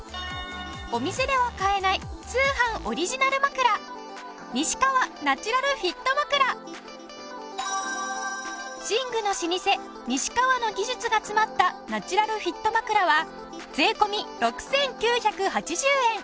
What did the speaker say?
お店では買えない寝具の老舗西川の技術が詰まったナチュラルフィット枕は税込６９８０円。